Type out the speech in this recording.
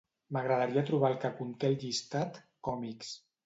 M'agradaria trobar el que conté el llistat "còmics".